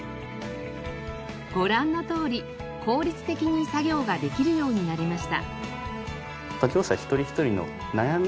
ご覧のとおり効率的に作業ができるようになりました。